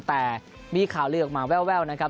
แต่มีข่าวลือออกมาแววนะครับ